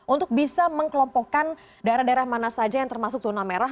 untuk bisa mengkelompokkan daerah daerah mana saja yang termasuk zona merah